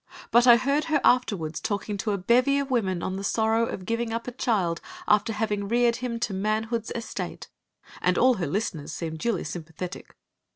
But I heard her afterward talking to a bevy of women on the sorrow of giving up a child after having reared him to manhood's estate, and her listeners all seemed duly sympathetic.